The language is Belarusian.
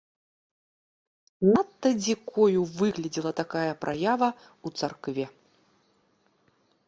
Надта дзікою выглядзела такая праява ў царкве.